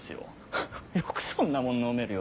フフよくそんなもん飲めるよな。